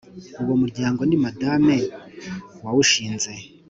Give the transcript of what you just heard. uwo muryango ni Madame wawushinze